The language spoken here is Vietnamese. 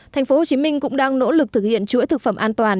thành phố hồ chí minh cũng đang nỗ lực thực hiện chuỗi thực phẩm an toàn